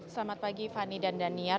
selamat pagi fani dan daniar